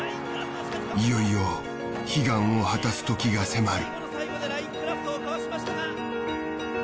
いよいよ悲願を果たす時が迫る。